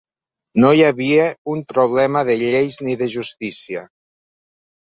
No hi havia un problema de lleis ni de justícia.